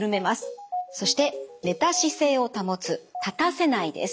そして寝た姿勢を保つ・立たせないです。